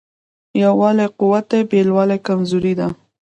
یووالی قوت دی بېلوالی کمزوري ده.